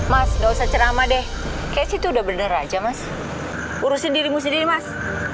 mas dosa ceramah deh kayak gitu udah bener aja mas urusin dirimu sendiri mas